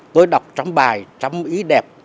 tôi đọc trăm bài trăm ý đẹp